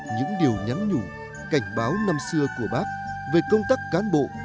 những điều nhắn nhủ cảnh báo năm xưa của bác về công tác cán bộ